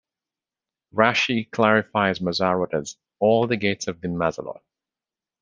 Rashi clarifies mazzarot as "all the gates of the mazalot".